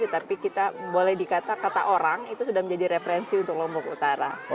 tapi kita boleh dikata kata orang itu sudah menjadi referensi untuk lombok utara